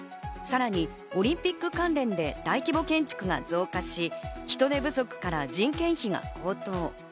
さらにオリンピック関連で大規模建築が増加し、人手不足から人件費が高騰。